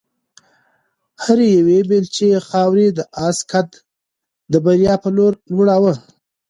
هرې یوې بیلچې خاورې د آس قد د بریا په لور لوړاوه.